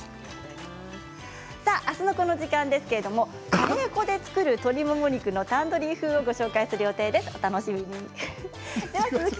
あすのこの時間はカレー粉で作る鶏もも肉のタンドリー風をご紹介する予定です。